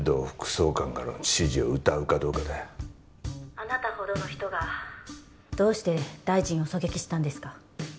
「あなたほどの人が」どうして大臣を狙撃したんですか？